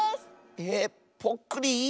ええぽっくり⁉